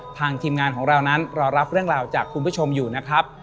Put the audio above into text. ทีมงานของเรานั้นรอรับเรื่องราวจากคุณผู้ชมอยู่นะครับ